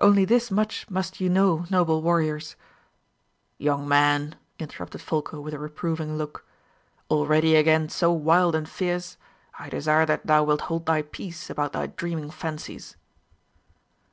Only this much must you know, noble warriors " "Young man," interrupted Folko with a reproving look, "already again so wild and fierce? I desire that thou wilt hold thy peace about thy dreaming fancies."